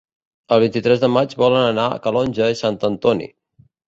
El vint-i-tres de maig volen anar a Calonge i Sant Antoni.